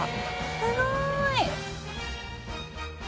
すごい！